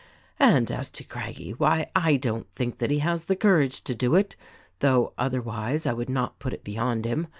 "And, as to Craggie ; why, I don't think that he has the courage to do it, though otherwise I would not put it beyond him.